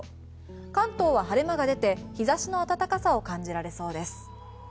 関東は晴れ間が出て日差しの暖かさを感じられそうです。